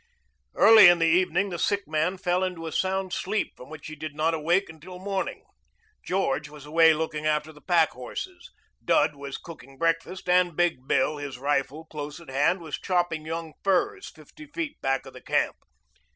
Early in the evening the sick man fell into a sound sleep from which he did not awake until morning. George was away looking after the pack horses, Dud was cooking breakfast, and Big Bill, his rifle close at hand, was chopping young firs fifty feet back of the camp.